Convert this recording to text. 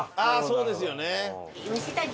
そうですよね。